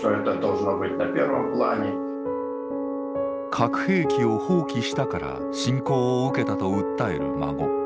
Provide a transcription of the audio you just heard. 「核兵器を放棄したから侵攻を受けた」と訴える孫。